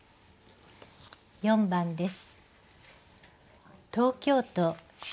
４番です。